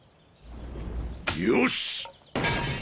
よし。